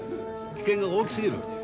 危険が大きすぎる。